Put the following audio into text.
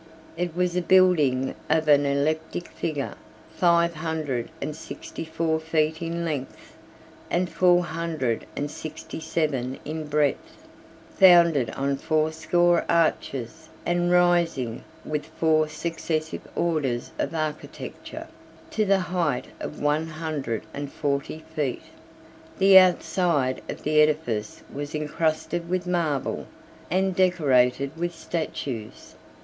91 It was a building of an elliptic figure, five hundred and sixty four feet in length, and four hundred and sixty seven in breadth, founded on fourscore arches, and rising, with four successive orders of architecture, to the height of one hundred and forty feet. 92 The outside of the edifice was encrusted with marble, and decorated with statues.